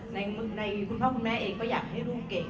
ในคุณพ่อคุณแม่เองก็อยากให้ลูกเก่ง